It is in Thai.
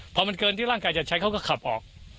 พอมันเกินที่ร่างกายจะใช้เขาก็ขับออก